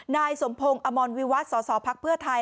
นายสมพงศ์อมรวิวัตน์สศพไทย